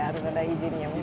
harus ada izinnya mungkin